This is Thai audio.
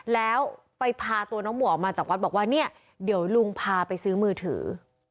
แล้วไปพาตัวน้องหมวกออกมาจากวัดบอกว่าเนี่ยเดี๋ยวลุงพาไปซื้อมือถือ